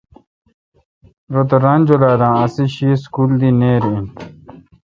روتہ ران جولال اؘ اسی شی سکول دی نیر این۔